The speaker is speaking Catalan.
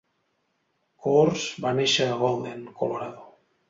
Coors va néixer a Golden, Colorado.